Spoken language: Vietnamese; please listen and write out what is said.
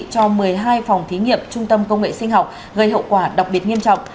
cho một mươi hai phòng thí nghiệm trung tâm công nghệ sinh học gây hậu quả đặc biệt nghiêm trọng